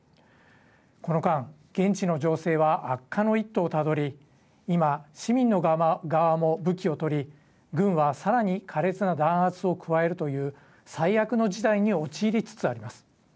この間、現地の情勢は悪化の一途をたどり今、市民の側も武器を取り軍はさらに苛烈な弾圧を加えるという最悪の事態に陥りつつあります。